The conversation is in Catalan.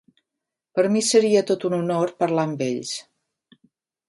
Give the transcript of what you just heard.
Per a mi seria tot un honor parlar amb ells.